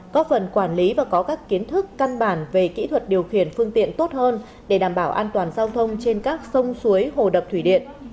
có phần quản lý và có các kiến thức căn bản về kỹ thuật điều khiển phương tiện tốt hơn để đảm bảo an toàn giao thông trên các sông suối hồ đập thủy điện